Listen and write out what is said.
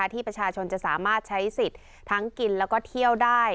ที่ประชาชนจะสามารถใช้สิทธิ์ทั้งกินแล้วก็เที่ยวได้